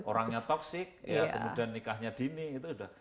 orangnya toxic ya kemudian nikahnya dini itu udah